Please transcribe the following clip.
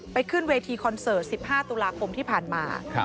ขึ้นเวทีคอนเสิร์ต๑๕ตุลาคมที่ผ่านมา